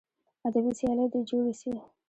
ادبي سیالۍ دې جوړې سي.